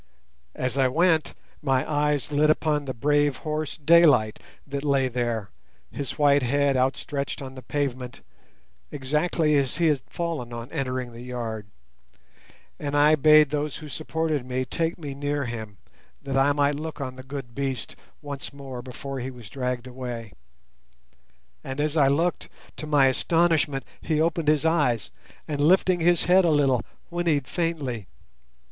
As I went, my eyes lit upon the brave horse Daylight that lay there, his white head outstretched on the pavement, exactly as he had fallen on entering the yard; and I bade those who supported me take me near him, that I might look on the good beast once more before he was dragged away. And as I looked, to my astonishment he opened his eyes and, lifting his head a little, whinnied faintly.